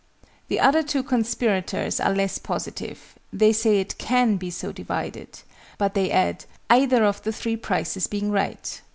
The other two conspirators are less positive: they say it "can" be so divided: but they add "either of the three prices being right"!